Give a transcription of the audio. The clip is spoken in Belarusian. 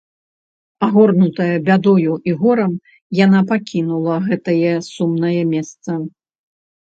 Агорнутая бядою і горам, яна пакінула гэтае сумнае месца.